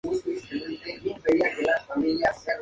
Es caliza y su vegetación es de pequeño porte.